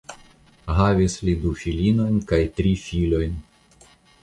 Havis li du filinojn kaj tri filojn.